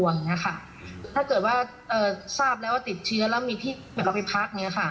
ถ้าเกิดว่าทราบแล้วว่าติดเชื้อแล้วมีที่เราไปพัก